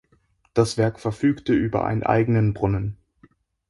Das Werk verfügte über einen eigenen Brunnen.